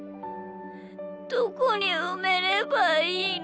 どこにうめればいいの？